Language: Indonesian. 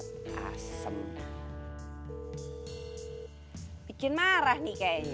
laku laku ini kan l'twitch products kan